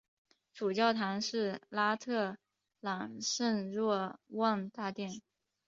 主教座堂是拉特朗圣若望大殿。